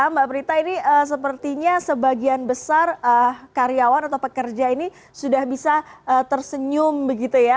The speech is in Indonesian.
mbak prita ini sepertinya sebagian besar karyawan atau pekerja ini sudah bisa tersenyum begitu ya